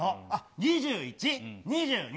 ２１？２２？